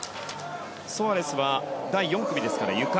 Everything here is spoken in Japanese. ソアレスは、第４組ですからゆか。